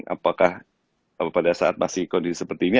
apakah pada saat masih kondisi seperti ini